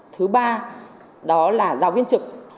thứ ba đó là giáo viên trực